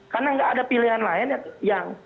karena nggak ada pilihan lainnya yang